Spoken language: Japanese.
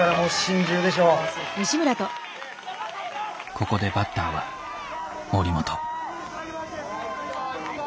ここでバッターは森本。